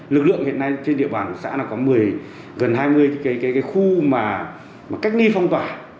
lực lượng hiện nay trên địa bàn của xã là có một mươi gần hai mươi cái khu mà cách ni phong tỏa